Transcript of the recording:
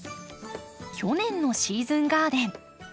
去年のシーズンガーデン。